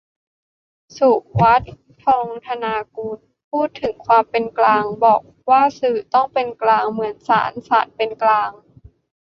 สุวัฒน์ ทองธนากุล พูดถึง ความเป็นกลาง บอกว่าสื่อต้องเป็นกลางเหมือนศาล ศาลเป็นกลาง